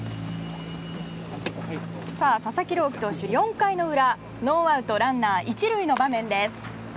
さあ、佐々木朗希投手４回の裏ノーアウトランナー１塁の場面です。